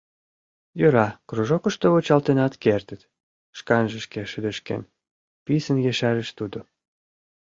— Йӧра, кружокышто вучалтенат кертыт, — шканже шке шыдешкен, писын ешарыш тудо.